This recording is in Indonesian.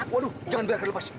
waduh jangan biarkan lepas